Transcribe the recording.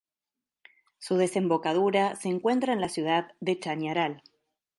Su desembocadura se encuentra en la ciudad de Chañaral.